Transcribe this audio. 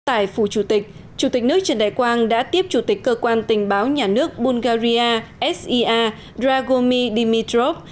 tại phủ chủ tịch chủ tịch nước trần đại quang đã tiếp chủ tịch cơ quan tình báo nhà nước bulgaria sia dragomi dimitrov